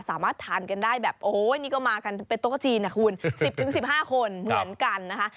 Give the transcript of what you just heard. สามารถทานกันได้แบบโอ้ยนี่ก็มากันเป็นโต๊ะจีนนะคุณ๑๐๑๕คนเหมือนกันนะคะ